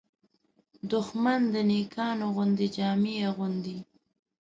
دښمن د نېکانو غوندې جامې اغوندي